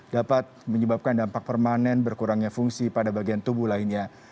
dapat menyebabkan dampak permanen berkurangnya fungsi pada bagian tubuh lainnya